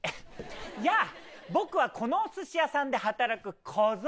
やあ僕はこのお寿司屋さんで働く小僧。